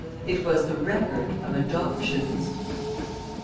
It was the "Record of Adoptions."